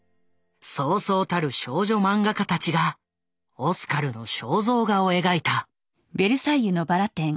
そうそうたる少女マンガ家たちがオスカルの肖像画を描いた。